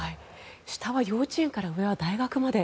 下は幼稚園から上は大学まで。